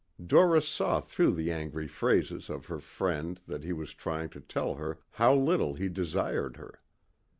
Doris saw through the angry phrases of her friend that he was trying to tell her how little he desired her.